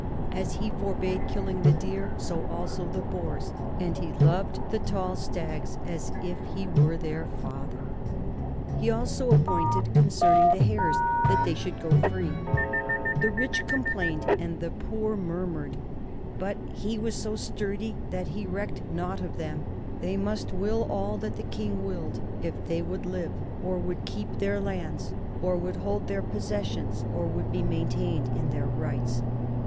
As he forbade killing the deer, so also the boars ; and he loved the tall stags as if he were their father. He also appointed concerning the hares, that they should go free. The rich complained and the poor murmured, but he was so sturdy that he recked nought of them; they 58 NORMANS IN EUROPEAN HISTORY must will all that the king willed, if they would live; or would keep their lands; or would hold their possessions; or would be maintained in their rights.